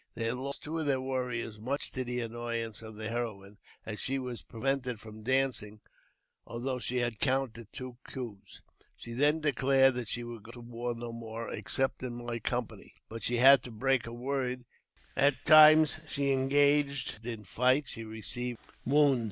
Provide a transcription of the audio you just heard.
They had lost two of their warriors, much to the annoyance of the heroine, as she w; prevented from dancing, although she had counted two coo^ She then declared that she would go to war no more, except my company ; but she had to break her word, and the next time she engaged in fight she received a severe wound.